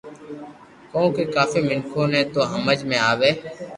ڪونڪہ ڪافي مينکون ني تو ھمج مي آوي